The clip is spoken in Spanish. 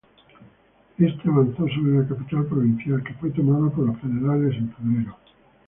Éste avanzó sobre la capital provincial, que fue tomada por los federales en febrero.